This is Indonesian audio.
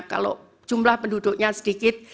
kalau jumlah penduduknya sedikit